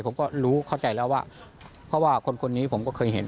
ผมก็รู้เข้าใจแล้วว่าเพราะว่าคนคนนี้ผมก็เคยเห็น